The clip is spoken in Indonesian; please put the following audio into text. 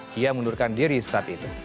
dia mengundurkan diri saat itu